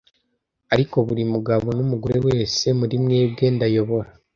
Ariko buri mugabo numugore wese muri mwebwe ndayobora,